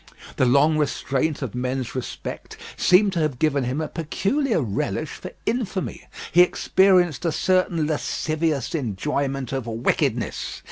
The long restraint of men's respect seemed to have given him a peculiar relish for infamy. He experienced a certain lascivious enjoyment of wickedness.